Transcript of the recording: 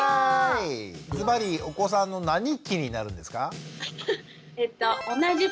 ズバリお子さんの何期になるんですか？